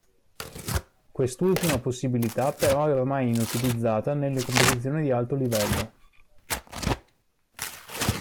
Quest'ultima possibilità però è ormai inutilizzata nelle competizioni di alto livello.